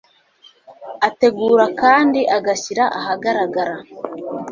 Ategura kandi agashyira ahagaragara